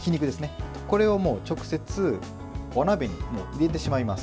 これをもう直接お鍋に入れてしまいます。